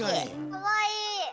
かわいい。